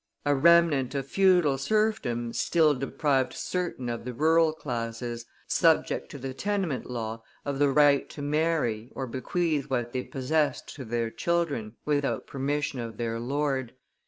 A remnant of feudal serfdom still deprived certain of the rural classes, subject to the tenement law, of the right to marry or bequeath what they possessed to their children without permission of their lord.